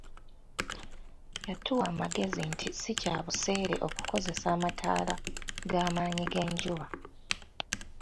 Yatuwa amagezi nti si kya buseere okukozesa amataala g'amaanyi g'enjuba.